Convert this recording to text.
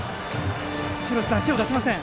廣瀬さん、手を出しません。